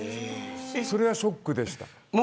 それはショックでした。